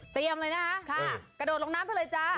เลยนะคะกระโดดลงน้ำไปเลยจ้า